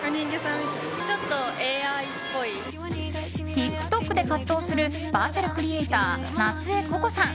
ＴｉｋＴｏｋで活動するバーチャルクリエーター夏絵ココさん。